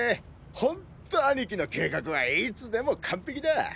ほんっと兄貴の計画はいつでも完璧だぁ！